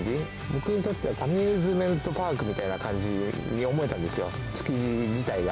僕にとってはアミューズメントパークみたいな感じに思えたんです